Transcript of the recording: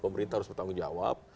pemerintah harus bertanggung jawab